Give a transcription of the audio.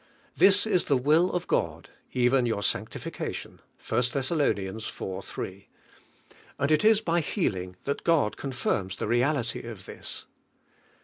"This is the will of God, even your sanctifi cation" (I. Xhess. it, 3), and it is by healing Hint God confirms the reality of this.